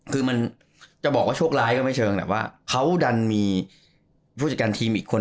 คือมันจะบอกว่าโชคร้ายก็ไม่เชิงแต่ว่าเขาดันมีผู้จัดการทีมอีกคน